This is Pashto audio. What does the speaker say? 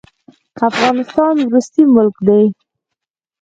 افغانستان وروستی ملک دی.